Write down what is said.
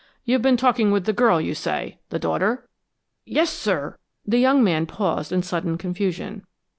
You've been talking with the girl you say the daughter?" "Yes, sir " The young man paused in sudden confusion.